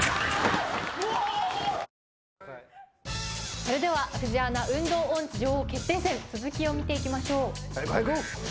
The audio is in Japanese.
それでは「フジアナ運動音痴女王決定戦」続きを見ていきましょう。